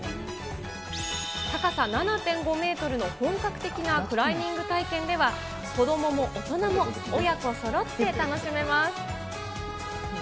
高さ７．５メートルの本格的なクライミング体験では、子どもも大人も親子そろって楽しめます。